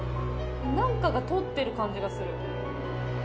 何かが通ってる感じがする。